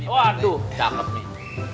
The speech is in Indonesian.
waduh cakep nih